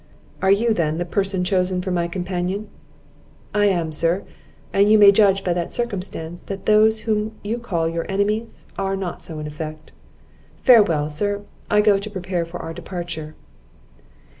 "Are you, then, the person chosen for my companion?" "I am, sir; and you may judge by that circumstance, that those whom you call your enemies, are not so in effect. Farewell, sir I go to prepare for our departure."